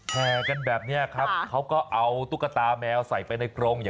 แห่กันแบบนี้ครับเขาก็เอาตุ๊กตาแมวใส่ไปในกรง